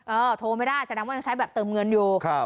เออโทรไม่ได้อาจจะนำว่ายังใช้แบบเติมเงินอยู่